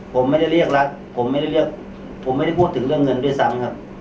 ผมไม่ได้เรียกรักผมไม่ได้เรียกผมไม่ได้พูดถึงเรื่องเงินด้วยซ้ำครับ